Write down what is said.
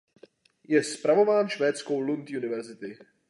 Je spravován švédskou Lund University.